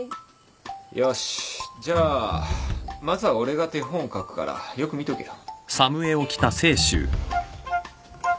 よしじゃあまずは俺が手本を書くからよく見とけよ。